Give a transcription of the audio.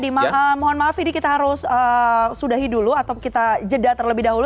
terutama ketika mas kak mas adi mohon maaf ini kita harus sudahi dulu atau kita jeda terlebih dahulu